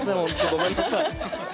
ごめんなさい。